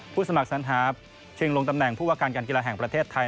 สมัครสัญหาชิงลงตำแหน่งผู้ว่าการการกีฬาแห่งประเทศไทย